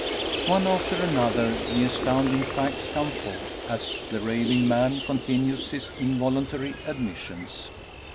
One after another, the astounding facts come forth as the raving man continues his involuntary admissions.